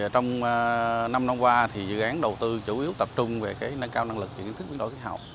trong năm năm qua dự án đầu tư chủ yếu tập trung về nâng cao năng lực và kiến thức biến đổi khí hậu